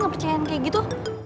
gak percaya kayak gitu